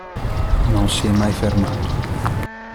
Non si è mai fermato.